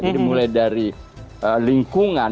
jadi mulai dari lingkungan